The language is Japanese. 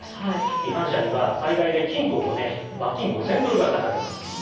違反者には、最大で禁錮５年、罰金５０００ドルが科されます。